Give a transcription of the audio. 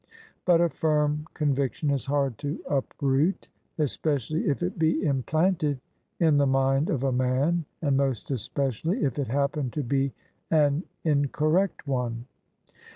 But a firm conviction is hard to , uproot— especially if it be implanted in the mind of a man, and most especially if it happen to be an incorrect one.